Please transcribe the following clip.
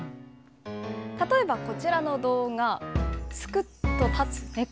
例えばこちらの動画、すくっと立つ猫。